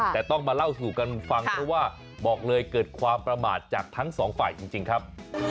แต่ต้องมาเล่าสู่กันฟังเพราะว่าบอกเลยเกิดความประมาทจากทั้งสองฝ่ายจริงครับ